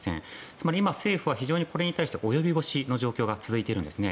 つまり、非常に政府はこれに対して及び腰の状況が続いているんですね。